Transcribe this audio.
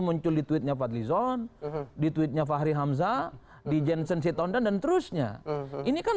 muncul di tweetnya fadlizon di tweetnya fahri hamzah di jensen sitonda dan terusnya ini kan